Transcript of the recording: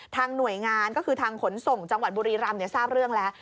หน่วยงานก็คือทางขนส่งจังหวัดบุรีรำทราบเรื่องแล้ว